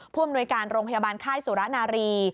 อำนวยการโรงพยาบาลค่ายสุรนารี